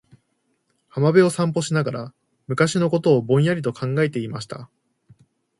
•海辺を散歩しながら、昔のことをぼんやりと考えていました。